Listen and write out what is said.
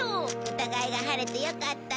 疑いが晴れてよかったね。